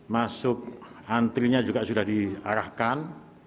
masuk antrinya juga sudah diarahkan